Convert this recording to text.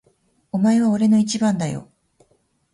お前は俺の一番だよ。